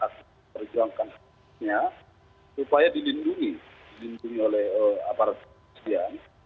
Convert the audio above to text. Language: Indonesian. yang akan memperjuangkan hak haknya supaya dilindungi oleh aparat perusahaan